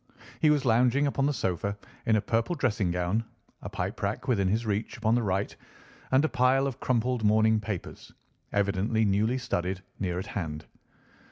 He was lounging upon the sofa in a purple dressing gown, a pipe rack within his reach upon the right, and a pile of crumpled morning papers, evidently newly studied, near at hand.